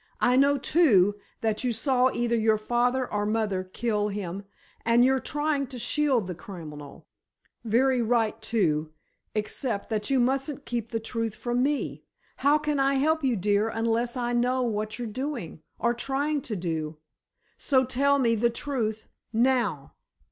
I know, too, that you saw either your father or mother kill him and you're trying to shield the criminal. Very right, too, except that you mustn't keep the truth from me. How can I help you, dear, unless I know what you're doing—or trying to do? So, tell me the truth—now."